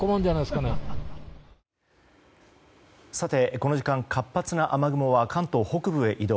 この時間、活発な雨雲は関東北部へ移動。